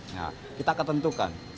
nah kita ketentukan